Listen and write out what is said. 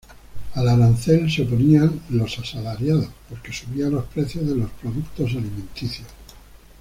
Al arancel se oponían los asalariados, porque subía los precios de los productos alimenticios.